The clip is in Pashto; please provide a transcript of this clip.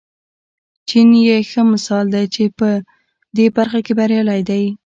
چین یې ښه مثال دی چې په دې برخه کې بریالی دی.